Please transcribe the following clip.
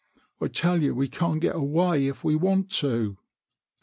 I tell you we can't get away if we want to."